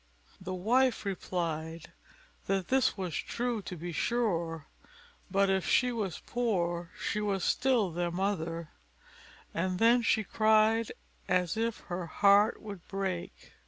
The wife replied "that this was true, to be sure; but if she was poor, she was still their mother;" and then she cried as if her heart would break.